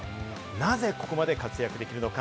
なぜここまで活躍できるのか？